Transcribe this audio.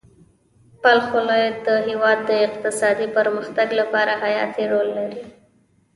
بلخ ولایت د هېواد د اقتصادي پرمختګ لپاره حیاتي رول لري.